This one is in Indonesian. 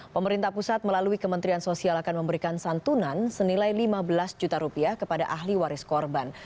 pemerintah pusat melalui kementerian sosial akan memberikan santunan senilai lima belas juta rupiah kepada ahli waris korban